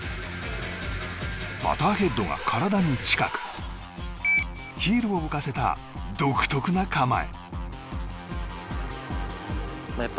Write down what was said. パターヘッドが体に近くヒールを浮かせた独特な構え。